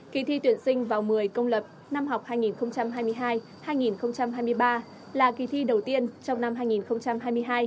kỳ thi tuyển sinh vào một mươi công lập năm học hai nghìn hai mươi hai hai nghìn hai mươi ba là kỳ thi đầu tiên trong năm hai nghìn hai mươi hai